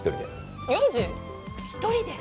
１人で！？